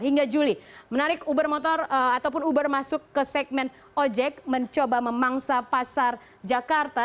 hingga juli menarik uber motor ataupun uber masuk ke segmen ojek mencoba memangsa pasar jakarta